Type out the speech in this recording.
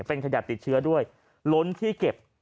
เป็นขยะติดเชื้อด้วยล้นที่เก็บ